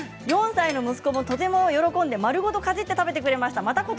４歳の息子もとても喜んで丸ごとかじって食べてくれました。